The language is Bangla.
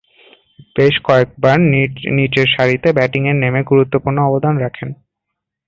বেশ কয়েকবার নিচেরসারিতে ব্যাটিংয়ে নেমে গুরুত্বপূর্ণ অবদান রাখেন।